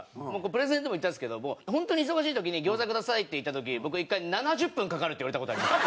プレゼンでも言ったんですけど本当に忙しい時に「餃子ください」って言った時僕１回「７０分かかる」って言われた事あります。